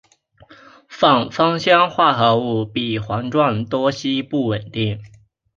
反芳香化合物比环状多烯不稳定。